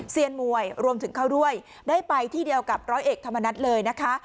เซียนมวยรวมถึงเขาด้วยได้ไปที่เดียวกับร้อยเอกธรรมนัฐเลยนะคะ